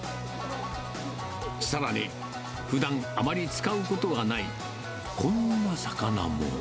さらにふだんあまり使うことのないこんな魚も。